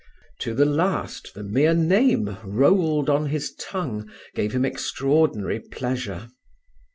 To the last the mere name rolled on his tongue gave him extraordinary pleasure.